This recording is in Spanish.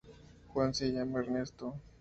Juan se llama Ernesto.